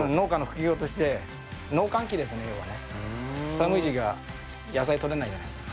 寒い時期は野菜とれないじゃないですか。